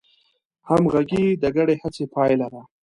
همغږي د ګډې هڅې پایله ده.